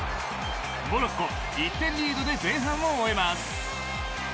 モロッコ、１点リードで前半を終えます。